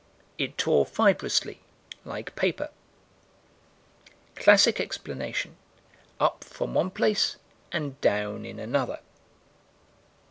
"It tore fibrously, like paper." Classic explanation: "Up from one place, and down in another."